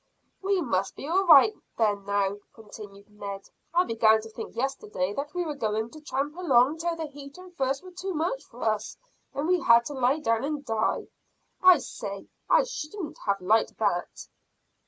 "We must be all right then, now," continued Ned. "I began to think yesterday that we were going to tramp along till the heat and thirst were too much for us, and we had to lie down and die. I say, I shouldn't have liked that."